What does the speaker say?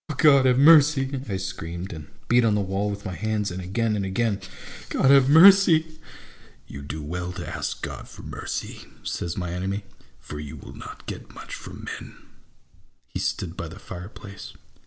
" O God, have mercy !" I screamed, and beat on the wall with my hands ; and again and again :—" God, have mercy !" 72 A BOOK OF BARGAINS. " You do well to ask God for mercy," says my enemy ;" for you will not get much from men." He stood by the fire place.